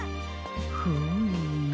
フーム。